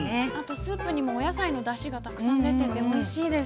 スープにもお野菜のだしがたくさん出てておいしいです。